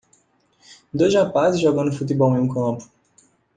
Dois rapazes jogando futebol em um campo.